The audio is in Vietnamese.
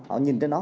họ nhìn trên đó